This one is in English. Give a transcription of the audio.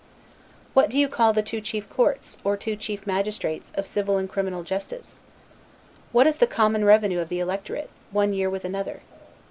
What do you call the two chief courts, or two chief magistrates, of civil and criminal justice? What is the common revenue of the electorate, one year with another?